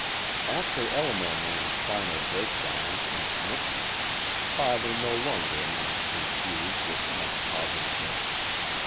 After Elinor Mann's final breakdown and commitment, Father no longer announced his views with much positiveness.